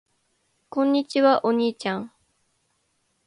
こんにちは。お兄ちゃん。